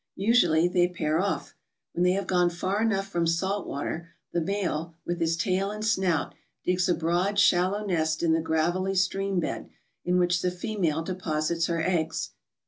Usually they pair off. When they have gone far enough from salt water the male, with his tail and snout, digs a broad, shallow nest in the gravelly" stream bed in which the female deposits her eggs.